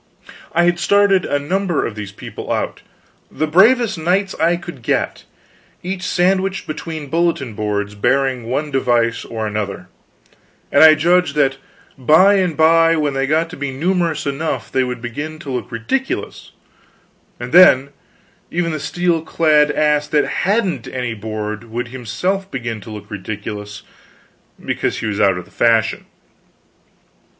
I had started a number of these people out the bravest knights I could get each sandwiched between bulletin boards bearing one device or another, and I judged that by and by when they got to be numerous enough they would begin to look ridiculous; and then, even the steel clad ass that hadn't any board would himself begin to look ridiculous because he was out of the fashion.